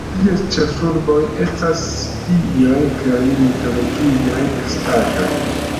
Ties ĉefroluloj estas dioj kaj mitologiaj estaĵoj.